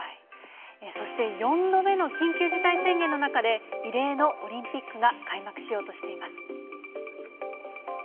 そして４度目の緊急事態宣言の中で、異例のオリンピックが開幕しようとしています。